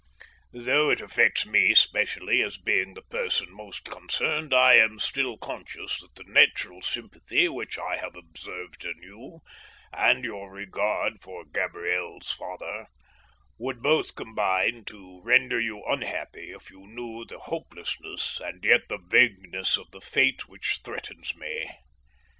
Though it affects me specially, as being the person most concerned, I am still conscious that the natural sympathy which I have observed in you, and your regard for Gabriel's father, would both combine to render you unhappy if you knew the hopelessness and yet the vagueness of the fate which threatens me.